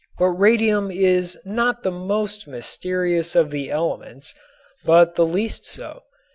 But radium is not the most mysterious of the elements but the least so.